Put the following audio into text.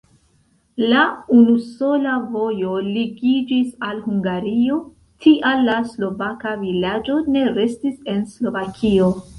La unusola vojo ligiĝis al Hungario, tial la slovaka vilaĝo ne restis en Slovakio.